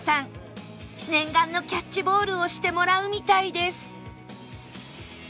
念願のキャッチボールをしてもらうみたいです